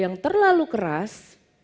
yang terlalu keras